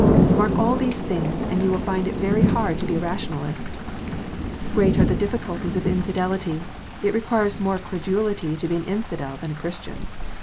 Mark all these things, and you will find it very hard to be a Rationalist ! Great are the difficulties of infidelity : it requires more credulity to be an infidel than a Christian.